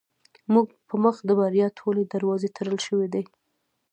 زموږ په مخ د بریا ټولې دروازې تړل شوې دي.